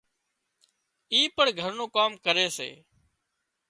اِي پڻ گھر نُون ڪام ڪري سي